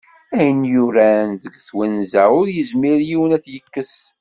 Ayen yuran deg twenza, ur yezmir yiwen ad t-yekkes.